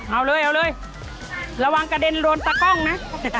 เอาเลยระวังกระเด็นโรนตากล้องนะ